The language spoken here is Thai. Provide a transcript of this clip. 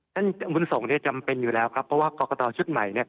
ท่านบุญสงฆ์จำเป็นอยู่แล้วครับเพราะว่ากรกตชุดใหม่